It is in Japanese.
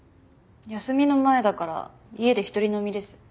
休みの前だから家で一人飲みです。